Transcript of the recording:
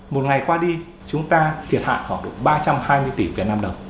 một ngày qua đi chúng ta thiệt hại khoảng độ ba trăm hai mươi tỷ vnđ